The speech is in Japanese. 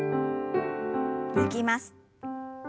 抜きます。